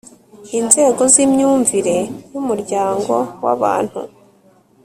inzego z'imyumvire y'umuryango w'abantu